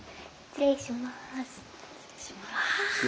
失礼します。